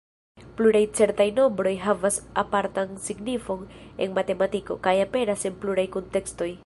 Pluraj certaj nombroj havas apartan signifon en matematiko, kaj aperas en pluraj kuntekstoj.